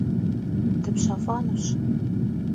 Dıpşef'enuş.